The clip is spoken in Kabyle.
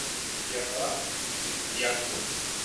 Iɣṛa di demyaṭi.